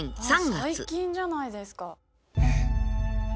最近じゃないですか。